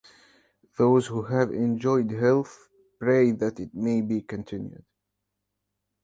Those who have enjoyed health pray that it may be continued.